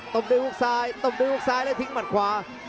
ตบด้วยฮุกซ้ายตบด้วยฮุกซ้ายแล้วทิ้งหมัดขวา